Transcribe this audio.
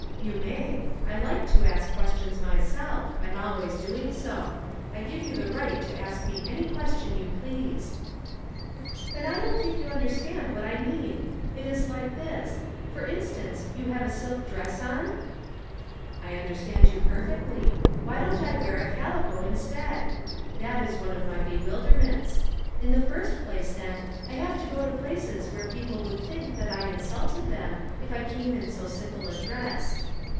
" You may. I like to ask questions myself. I'm always doing so. I give you the right to ask me any question j^ou please." " Then I don't think you understand what I mean. It is like this — for instance, you have a silk dress on ?"" I understand you perfectly — why don't I wear a calico instead? That is one of my be wilderments. In the first place, then, I have to go to places where people would think that I insulted them if I came in so simple a dress."